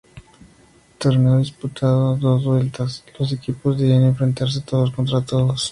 Torneo disputado a dos vueltas, los equipos debían enfrentarse todos contra todos.